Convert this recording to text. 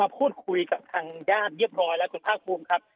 พูดคุยกับทางญาติเรียบร้อยแล้วคุณภาคภูมิครับ